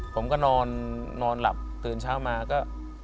ผมก็นอนหลับตื่นเช้ามาก็